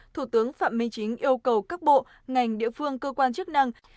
thủ tướng phạm minh chính yêu cầu các bộ ngành địa phương cơ quan chức năng